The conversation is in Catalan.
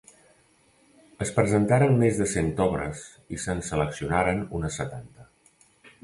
Es presentaren més de cent obres i se’n seleccionaren unes setanta.